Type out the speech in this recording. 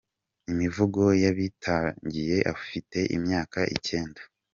imivugo yabitangiye Afite imyaka icyenda.